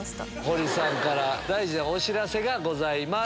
堀さんから大事なお知らせがございます。